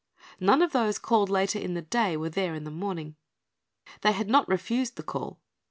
None of those called later in the day were there in the morning. They had not refused the call.